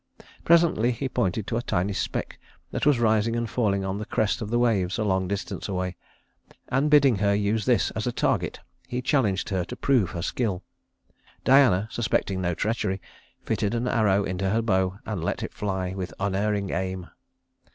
Presently he pointed to a tiny speck that was rising and falling on the crest of the waves a long distance away, and bidding her use this as a target, he challenged her to prove her skill. Diana, suspecting no treachery, fitted an arrow into her bow and let it fly with unerring aim.